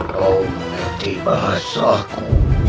kau mengerti bahasaku